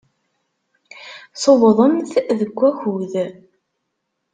Tuwḍemt deg wakud.